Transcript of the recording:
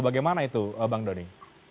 bagaimana itu bang doni